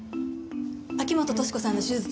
秋本敏子さんの手術